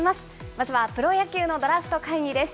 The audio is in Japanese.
まずはプロ野球のドラフト会議です。